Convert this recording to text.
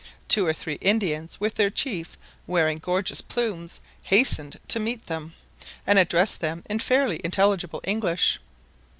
Two or three Indians, with their chief, wearing gorgeous plumes, hastened to meet them, and addressed them in fairly intelligible English.